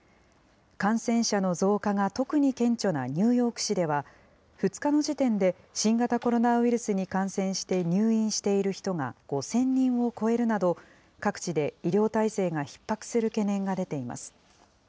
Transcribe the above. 感染者の増加が特に顕著なニューヨーク市では２日の時点で、新型コロナウイルスに感染して入院している人が５０００人を超えるなど、各地で医療体制がひっ迫する懸念が出ています。